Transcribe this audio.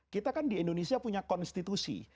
kita kan di indonesia punya konstitusi